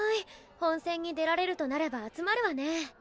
本戦に出られるとなれば集まるわね。